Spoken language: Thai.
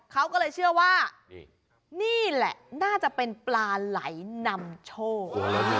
เขาก็เลยเชื่อว่านี่แหละน่าจะเป็นปลาไหลนำโชค